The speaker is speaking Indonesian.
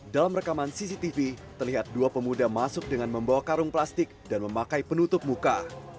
dalam rekaman cctv terlihat dua pemuda masuk dengan membawa karung plastik dan memakai penutup muka